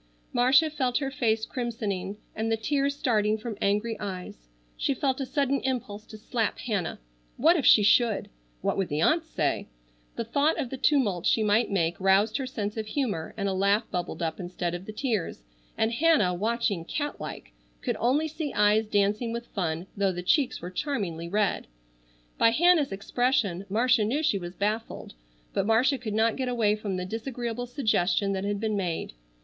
Marcia felt her face crimsoning, and the tears starting from angry eyes. She felt a sudden impulse to slap Hannah. What if she should! What would the aunts say? The thought of the tumult she might make roused her sense of humor and a laugh bubbled up instead of the tears, and Hannah, watching, cat like, could only see eyes dancing with fun though the cheeks were charmingly red. By Hannah's expression Marcia knew she was baffled, but Marcia could not get away from the disagreeable suggestion that had been made.